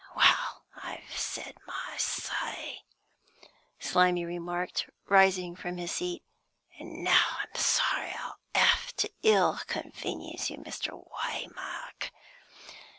"Well, I've said my say," Slimy remarked, rising from his seat. "An' now, I'm sorry I'll 'ave to ill convenience you, Mr. Waymark.